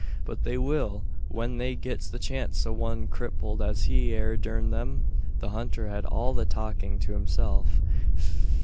But they will, when they gits the chance o' one krippled as he air durn 'em!" The hunter had all the talking to himself.